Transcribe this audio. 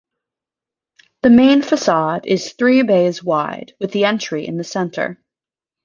The main facade is three bays wide with the entry in the center.